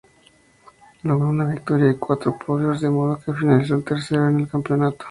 Logró una victoria y cuatro podios, de modo que finalizó tercero en el campeonato.